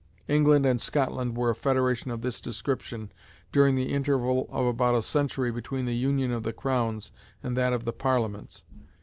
England and Scotland were a federation of this description during the interval of about a century between the union of the crowns and that of the Parliaments.